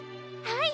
はい！